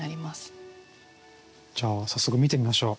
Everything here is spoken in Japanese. じゃあ早速見てみましょう。